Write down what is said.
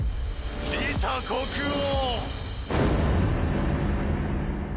リタ国王！